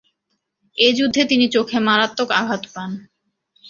এ যুদ্ধে তিনি চোখে মারাত্মক আঘাত পান।।